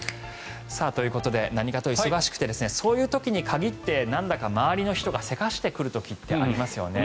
ということで何かと忙しくてそういう時に限ってなんだか周りの人がせかしてくる時ってありますよね。